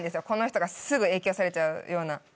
この人がすぐ影響されちゃうような。